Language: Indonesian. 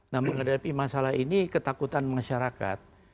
nah menghadapi masalah ini ketakutan masyarakat